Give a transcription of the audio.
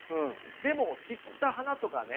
でも散った花とかね